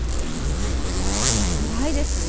つらいですよ！